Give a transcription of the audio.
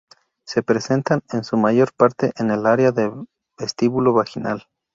Se presentan en su mayor parte en el área del vestíbulo vaginal.